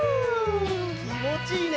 きもちいいね。